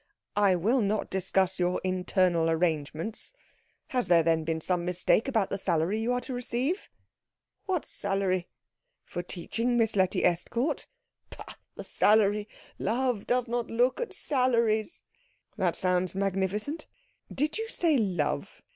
"I will not discuss your internal arrangements. Has there, then, been some mistake about the salary you are to receive?" "What salary?" "For teaching Miss Letty Estcourt?" "Pah the salary. Love does not look at salaries." "That sounds magnificent. Did you say love?"